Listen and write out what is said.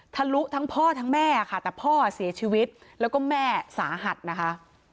ทะลุทั้งพ่อทั้งแม่ค่ะแต่พ่อเสียชีวิตแล้วก็แม่สาหัสนะคะ